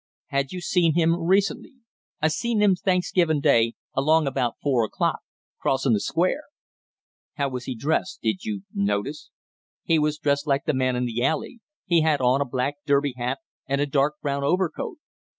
"Had you seen him recently?" "I seen him Thanksgiving day along about four o'clock crossing the Square." "How was he dressed, did you notice?" "He was dressed like the man in the alley, he had on a black derby hat and a dark brown overcoat."